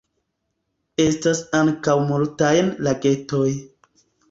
Estas ankaŭ multajn lagetoj.